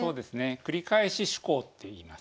繰り返し趣向っていいます。